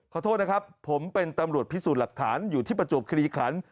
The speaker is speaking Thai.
ขอโทษนะครับผมเป็นตำรวจพิสูจน์หลักฐานอยู่ที่ประจวบคลีขัน